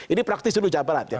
ini praktis dulu jawa barat